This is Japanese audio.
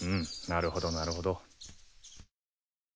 なるほどなるほど。